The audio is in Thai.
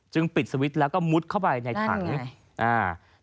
จึงปิดสวิตซ์แล้วก็มุดเข้าไปในถัง